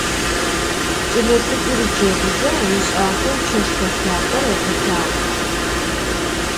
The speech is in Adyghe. Ç'elets'ık'ur ceguze, ımış'axeu çeşşke lhap'er ıkhutağ.